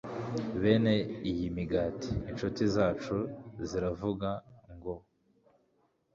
bene iyi migati, incuti zacu ziravuga ngo,